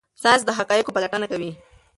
ساینس د حقایقو پلټنه کوي.